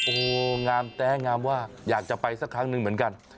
โอ้โหงามแต๊งามว่าอยากจะไปสักครั้งหนึ่งเหมือนกัน